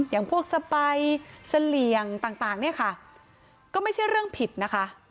อย่างพวกสไปเสลี่ยงต่างเนี่ยค่ะก็ไม่ใช่เรื่องผิดนะคะ